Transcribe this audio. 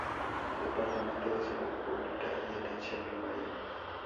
Departamento de Salud Pública y Atención Primaria.